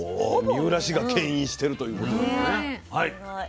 三浦市がけん引してるということなのね。